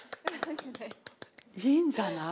いいんじゃない。